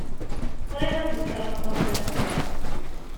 Qrib ad ddekren ṭṭelba fell-am.